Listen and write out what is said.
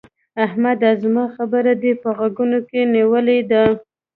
احمده! زما خبره دې په غوږو کې نيولې ده؟